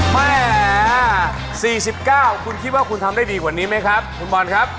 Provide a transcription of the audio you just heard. แม่๔๙คุณคิดว่าคุณทำได้ดีกว่านี้ไหมครับคุณบอลครับ